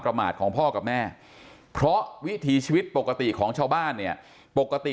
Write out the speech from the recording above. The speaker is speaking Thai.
ประมาทของพ่อกับแม่เพราะวิถีชีวิตปกติของชาวบ้านเนี่ยปกติ